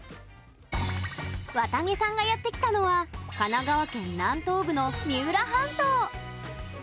わたげさんがやってきたのは神奈川県南東部の三浦半島。